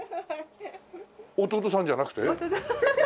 弟さんじゃなくて？